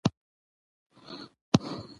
او د راتلو هیڅ نښه به مې نه ښکاري،